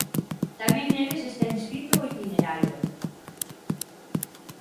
Tamén neles está inscrito o itinerario.